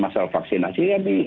masalah vaksinasi ya